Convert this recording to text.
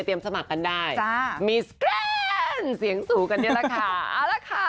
เสียงสูงกันที่รักค่ะ